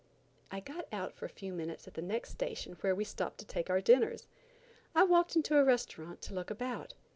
I got out for a few minutes at the next station where we stopped to take our dinners. I walked into a restaurant to look about.